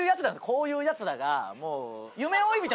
こういうやつらがもう。